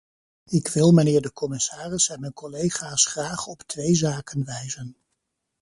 Ik wil mijnheer de commissaris en mijn collega's graag op twee zaken wijzen.